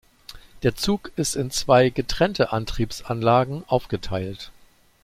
Der Zug ist in zwei getrennte Antriebsanlagen aufgeteilt.